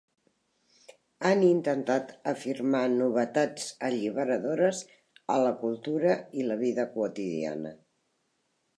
Han intentat afirmar novetats alliberadores a la cultura i la vida quotidiana.